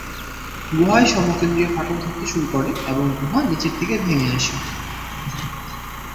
গুহায় সমকেন্দ্রীয় ফাটল ধরতে শুরু করে করে এবং গুহা নিচের দিকে ভেঙে আসে।